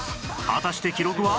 果たして記録は？